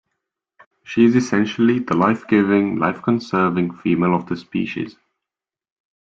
She is essentially the life-giving, life-conserving female of the species.